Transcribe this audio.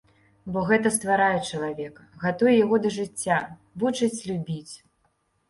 Бо гэта стварае чалавека, гатуе яго да жыцця, вучыць любіць.